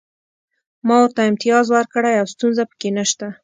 ما ورته امتیاز ورکړی او ستونزه پکې نشته